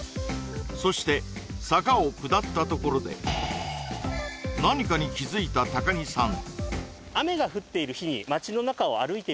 そして坂を下ったところで何かに気づいた高荷さん